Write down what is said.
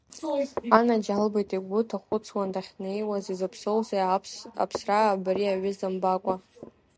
Анаџьалбеит, игәы дҭахәыцуан дахьнеиуаз, изыԥсоузеи аԥсра абри аҩыза мбакәа.